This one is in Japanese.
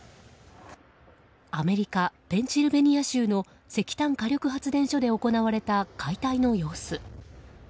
アメリカ・ペンシルベニア州の石炭火力発電所で行われた解体の様子。